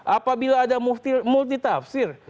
apabila ada multi tafsir